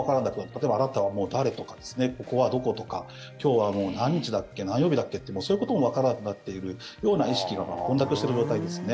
例えばあなたは誰とかここはどことか今日は何日だっけ何曜日だっけってそういうこともわからなくなっているような意識が混濁してる状態ですね。